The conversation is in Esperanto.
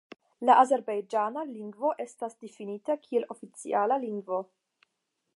La azerbajĝana lingvo estas difinita kiel la oficiala lingvo.